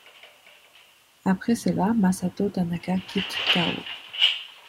Après cela Masato Tanaka quitte Chaos.